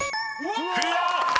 ［クリア！］